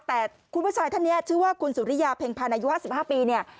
แต่คุณผู้ชายท่านเนี่ยชื่อว่าคุณสุริยาเพ็งภาณายุ๕๕ปี